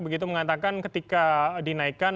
begitu mengatakan ketika dinaikkan